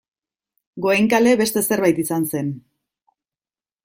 Goenkale beste zerbait izan zen.